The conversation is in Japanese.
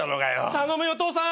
頼むよ父さん！